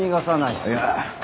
いや。